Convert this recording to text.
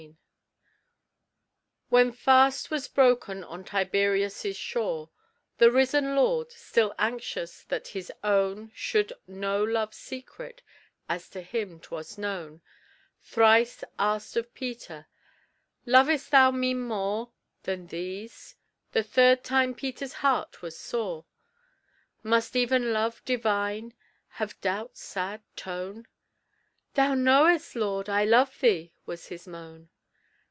_ When fast was broken on Tiberias' shore, The risen Lord, still anxious that his own Should know love's secret as to him 'twas known, Thrice asked of Peter, "Lovest thou me more Than these?" The third time Peter's heart was sore. Must even love divine have doubt's sad tone? "Thou knowest, Lord, I love thee," was his moan.